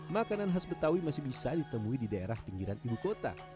makanan khas betawi masih bisa ditemui di daerah pinggiran ibu kota